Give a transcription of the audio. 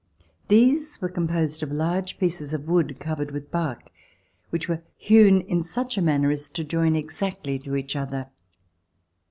These were composed of large pieces of wood, covered with bark, which were hewn in such a manner as to join exactly to each other.